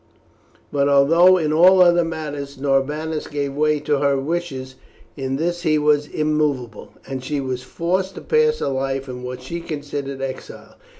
But although in all other matters Norbanus gave way to her wishes, in this he was immovable, and she was forced to pass her life in what she considered exile.